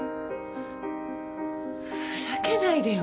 ふざけないでよ。